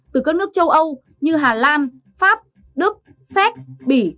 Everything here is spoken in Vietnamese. từ các nước châu âu như hà lan pháp đức xét bỉ